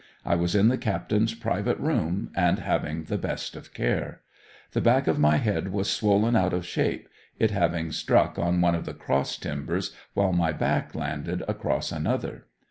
I was in the captain's private room and having the best of care. The back of my head was swollen out of shape, it having struck on one of the cross timbers, while my back landed across another.